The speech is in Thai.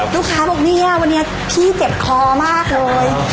ลูกค้าบอกเนี่ยวันนี้พี่เจ็บคอมากเลย